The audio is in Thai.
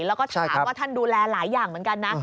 แล้วก็ถามว่าท่านดูแลหลายอย่างเหมือนกันนะ